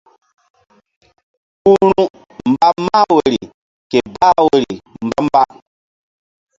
Ku ru̧ mba mah woyri ke bah woyri mba-mba.